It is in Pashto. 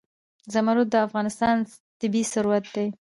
زمرد د افغانستان طبعي ثروت دی.